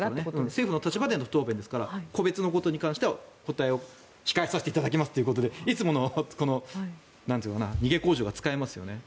政府の立場での答弁ですから個別のことに対しては答えを控えさせていただきますっていつもの逃げ口上が使えますよね。